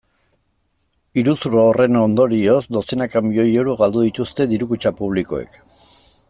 Iruzur horren ondorioz dozenaka milioi euro galdu dituzte diru-kutxa publikoek.